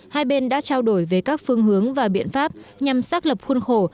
hai bên đã trao đổi về các phương hướng và biện pháp nhằm xác lập khuôn khổ